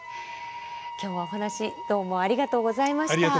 今日はお話どうもありがとうございました。